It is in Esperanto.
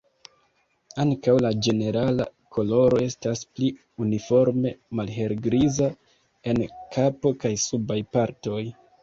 Ankaŭ la ĝenerala koloro estas pli uniforme malhelgriza en kapo kaj subaj partoj.